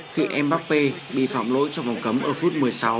khi mbappé bị phạm lỗi cho vòng cấm ở phút một mươi sáu